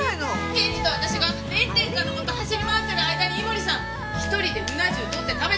検事と私が炎天下のもと走り回ってる間に井森さん１人でうな重取って食べてたんですよ。